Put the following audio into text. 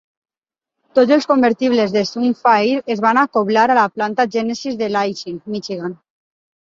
Tots els convertibles de Sunfire es van acoblar a la planta "Genesis" de Lansing, Michigan.